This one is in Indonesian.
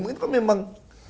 itu kan memang